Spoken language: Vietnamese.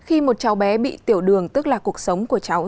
khi một cháu bé bị tiểu đường tức là cuộc sống của cháu